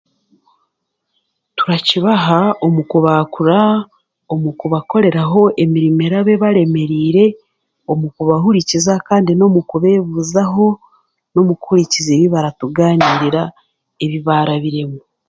Turakibaha omu kubaakura, omu kubakoreraho emiriimu eraba ebaremereirire omu kabahurikiza kandi n'omu kubebebuzaho n'omu kuhurikiza ebi biratuganirira ebi baarabiremu.